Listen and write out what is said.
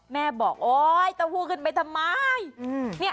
แม่บอกโอ๊ยเต้าหู้ขึ้นไปทำไม